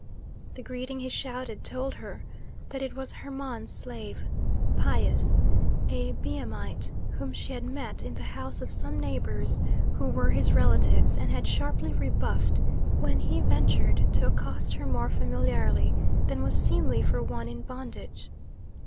The greeting he shouted told her that it was Hermon's slave, Pias, a Biamite, whom she had met in the house of some neighbours who were his relatives and had sharply rebuffed when he ventured to accost her more familiarly than was seemly for one in bondage.